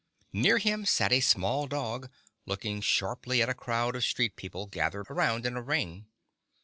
Near him sat a small dog, looking sharply at a crowd of street people gathered around in a ring.